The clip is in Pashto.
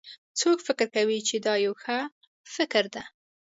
څوک فکر کوي چې دا یو ښه فکر ده